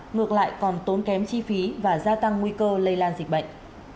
ngược lại còn tốn kém chi phí và gia tăng nguy cơ lây lan dịch bệnh